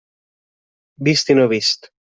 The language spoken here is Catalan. Vist i no vist.